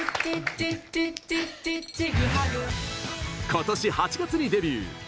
今年８月にデビュー！